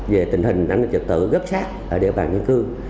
về tình hình trật tự gấp sát ở địa bàn dân cư